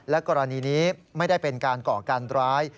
กรณีนี้ไม่ได้เป็นการก่อการร้าย